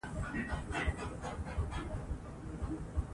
نو موږ بايد پر هغو خلکو باندې پښتو زده کول